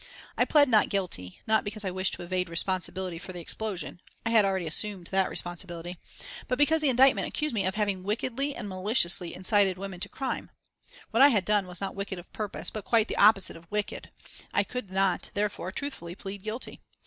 I pled "not guilty," not because I wished to evade responsibility for the explosion, I had already assumed that responsibility but because the indictment accused me of having wickedly and maliciously incited women to crime. What I had done was not wicked of purpose, but quite the opposite of wicked. I could not therefore truthfully plead guilty.